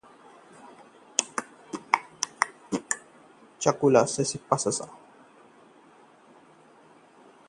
iChowk: अब मान लीजिए, मोदी भी हैं इस्लाम के प्रशंसक